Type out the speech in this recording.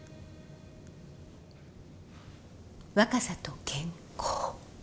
若さと健康。